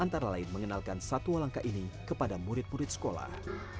antara lain mengenalkan satwa langka ini kepada murid murid sekolah